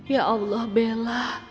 ya allah bella